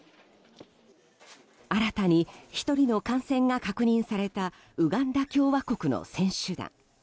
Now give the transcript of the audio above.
新たに１人の感染が確認されたウガンダ共和国の選手団。